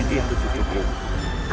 menjadi hei zainal